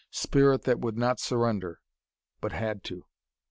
Spirit that would not surrender but had to.